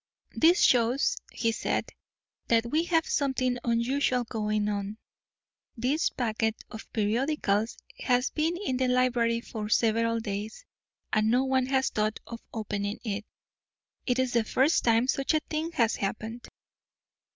"This shows," he said, "that we have something unusual going on. This packet of periodicals has been in the library for several days, and no one has thought of opening it. It is the first time such a thing has happened."